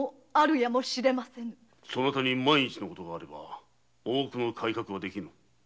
そなたに万一のことがあれば大奥の改革はできぬ。